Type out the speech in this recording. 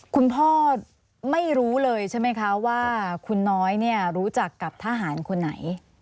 คุณพ่อไม่รู้เลยใช่ไหมคะว่าคุณน้อยรู้จักกับทหารคนไหน